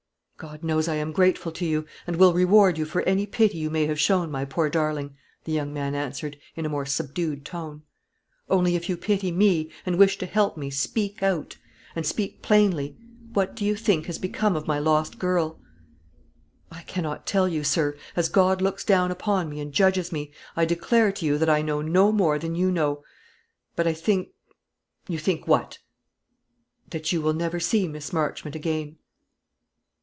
"God knows I am grateful to you, and will reward you for any pity you may have shown my poor darling," the young man answered, in a more subdued tone; "only, if you pity me, and wish to help me, speak out, and speak plainly. What do you think has become of my lost girl?" "I cannot tell you, sir. As God looks down upon me and judges me, I declare to you that I know no more than you know. But I think " "You think what?" "That you will never see Miss Marchmont again."